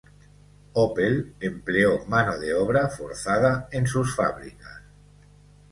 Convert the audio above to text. Opel empleó mano de obra forzada en sus fábricas.